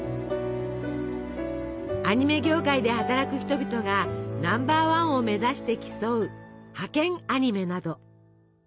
アニメ業界で働く人々がナンバーワンを目指して競う「ハケンアニメ！」など。